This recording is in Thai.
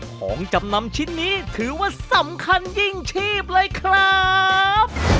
ของจำนำชิ้นนี้ถือว่าสำคัญยิ่งชีพเลยครับ